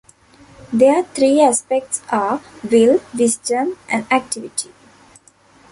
Their three aspects are "Will", "Wisdom" and "Activity".